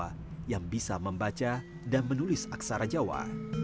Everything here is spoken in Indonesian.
bahasa jawa yang bisa membaca dan menulis aksara jawa